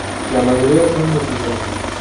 La mayoría son musulmanes.